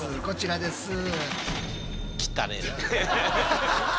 こちらです。